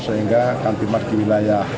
sehingga kamjipmas di wilayah